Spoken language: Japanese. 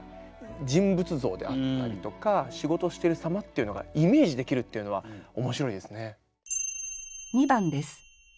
人物像であったりとか仕事してる様っていうのがイメージできるっていうのは面白いですね。